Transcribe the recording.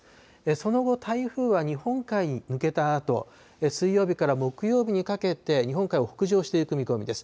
その後、台風は日本海に抜けたあと、水曜日から木曜日にかけて日本海を北上していく見込みです。